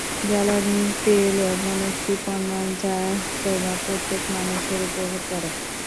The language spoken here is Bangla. জ্বালানি তেল এমন একটি পণ্য, যার প্রভাব প্রত্যেক মানুষের ওপর পড়ে।